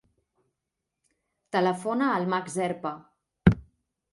Telefona al Max Zerpa.